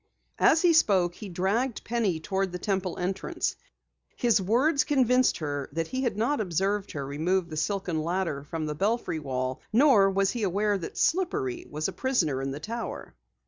As he spoke, he dragged Penny toward the Temple entrance. His words convinced her that he had not observed her remove the silken ladder from the belfry wall, nor was he aware that Slippery was a prisoner in the tower.